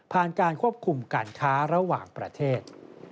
การควบคุมการค้าระหว่างประเทศ